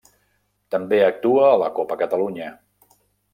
També actua a la Copa Catalunya.